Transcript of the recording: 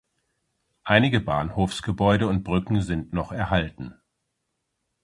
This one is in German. Einige Bahnhofsgebäude und Brücken sind noch erhalten.